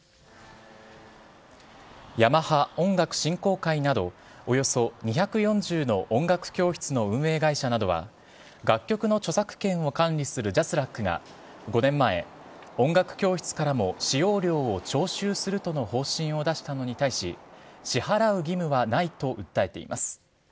ヤマハ音楽振興会など、およそ２４０の音楽教室の運営会社などは、楽曲の著作権を管理するＪＡＳＲＡＣが、５年前、音楽教室からも使用料を徴収するとの方針を出したのに対し、支払う義務はないと訴えています。